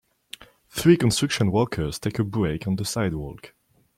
Three construction workers take a break on the sidewalk.